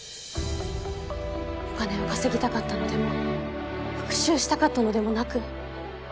お金を稼ぎたかったのでも復讐したかったのでもなく。